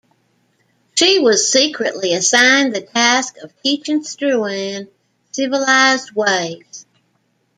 She was secretly assigned the task of teaching Struan civilized ways.